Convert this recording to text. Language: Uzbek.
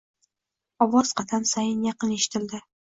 Ovoz qadam sayin yaqin eshitildi.